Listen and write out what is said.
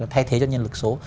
thay thế cho nhân lực số